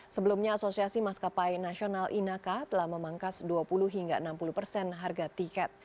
sebelumnya asosiasi maskapai nasional inaka telah memangkas dua puluh hingga enam puluh persen harga tiket